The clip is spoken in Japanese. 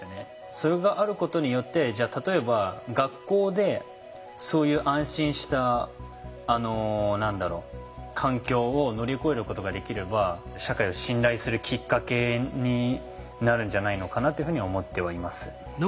それがあることによってじゃあ例えば学校でそういう安心した何だろう環境を乗り越えることができれば社会を信頼するきっかけになるんじゃないのかなっていうふうに思ってはいます。